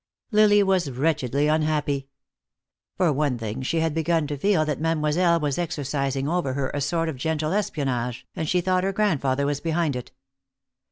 Lily was wretchedly unhappy. For one thing, she had begun to feel that Mademoiselle was exercising over her a sort of gentle espionage, and she thought her grandfather was behind it.